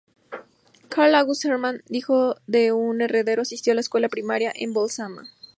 Karl August Hermann, hijo de un herrero, asistió a la escuela primaria en Põltsamaa.